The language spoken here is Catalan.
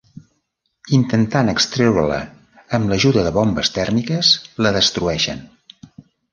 Intentant extreure-la amb l'ajuda de bombes tèrmiques, la destrueixen.